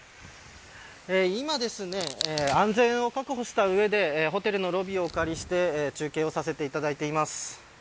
今ですね、安全を確保した上でホテルのロビーをお借りして中継をさせていただいています。